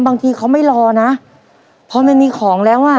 บางทีเขาไม่รอนะพอมันมีของแล้วอ่ะ